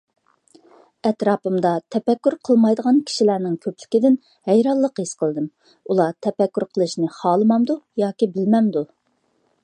ئەتراپىمدا تەپەككۇر قىلمايدىغان كىشىلەرنىڭ كۆپلۈكىدىن ھەيرانلىق ھېس قىلدىم. ئۇلار تەپەككۇر قىلىشنى خالىمامدۇ ياكى بىلمەمدۇ؟